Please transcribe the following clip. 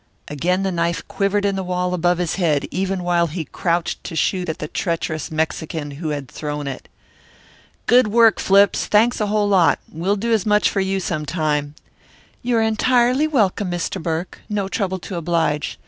Again the knife quivered in the wall above his head even while he crouched to shoot at the treacherous Mexican who had thrown it. "Good work, Flips. Thanks a whole lot. We'll do as much for you some time." "You're entirely welcome, Mr. Burke. No trouble to oblige.